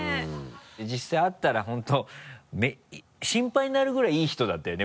実際会ったら本当心配になるぐらいいい人だったよね